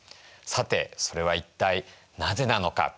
さてそれは一体なぜなのか？